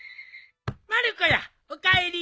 まる子やおかえり。